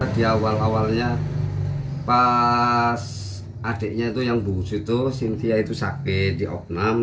di awal awalnya pas adiknya itu yang burus itu cynthia itu sakit di oknam